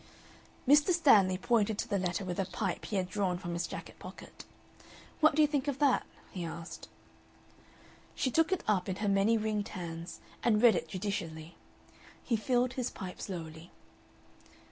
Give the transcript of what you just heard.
Mr. Stanley pointed to the letter with a pipe he had drawn from his jacket pocket. "What do you think of that?" he asked. She took it up in her many ringed hands and read it judicially. He filled his pipe slowly.